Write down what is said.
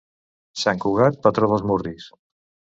Sant Cugat, patró dels murris.